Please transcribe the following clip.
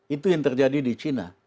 itu yang terjadi di cina